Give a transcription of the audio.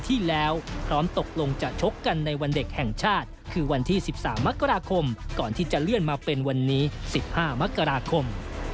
ติดตามจากรายงานครับ